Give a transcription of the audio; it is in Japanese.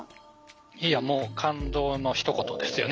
いやもう感動のひと言ですよね。